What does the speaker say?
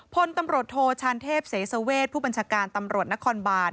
พลตำรวจโทชานเทพเสสเวชผู้บัญชาการตำรวจนครบาน